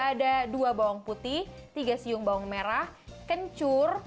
ada dua bawang putih tiga siung bawang merah kencur